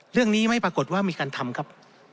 เรื่องนี้ไม่ปรากฏว่ามีการทำครับ